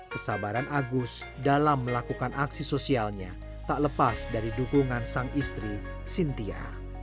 kesabaran agus dalam melakukan aksi sosialnya tak lepas dari dukungan sang istri sintia